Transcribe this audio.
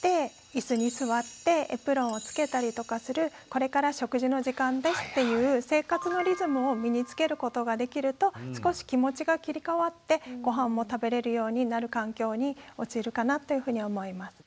これから食事の時間ですっていう生活のリズムを身につけることができると少し気持ちが切り替わってごはんも食べれるようになる環境におちいるかなというふうに思います。